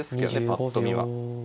ぱっと見は。